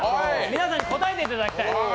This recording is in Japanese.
皆さん、答えていただきたい。